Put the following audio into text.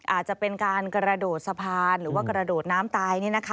อาจจะเป็นการกระโดดสะพานหรือว่ากระโดดน้ำตาย